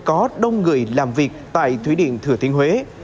có đông người làm việc tại thủy điện thừa thiên huế